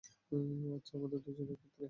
আচ্ছা, আমাদের দুজনের ক্ষেত্রেই।